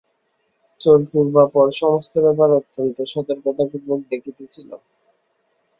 চোর পূর্বাপর সমস্ত ব্যাপার অত্যন্ত সতর্কতাপূর্বক দেখিতেছিল।